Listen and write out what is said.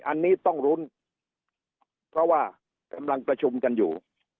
อันนี้ต้องลุ้นเพราะว่ากำลังประชุมกันอยู่